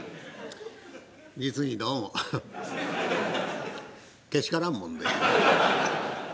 実にどうも怪しからんもんで。